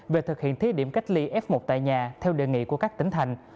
về thực hiện thí điểm cách ly f một tại nhà theo đề nghị của các tỉnh thành